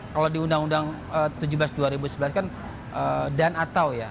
kalau di undang undang tujuh belas dua ribu sebelas kan dan atau ya